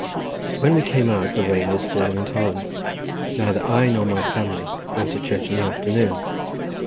When we came out the rain was falling in torrents. Neither I nor my family went to church in the afternoon.